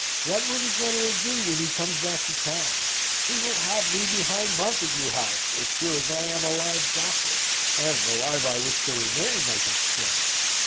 What will the General do when he comes back to town? He will have me behind Montagu House as sure as I am a live doctor, and alive I wish to remain, my good sir!"